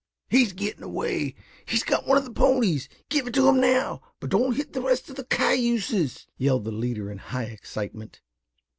"He's getting away. He's got one of the ponies. Give it to him now, but don't hit the rest of the cayuses!" yelled the leader in high excitement.